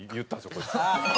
こいつ。